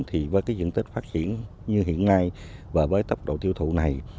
thì với cái diện tích phát triển như hiện nay và với tốc độ tiêu thụ này